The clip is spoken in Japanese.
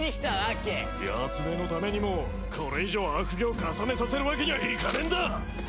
ヤツデのためにもこれ以上悪行を重ねさせるわけにはいかねえんだ！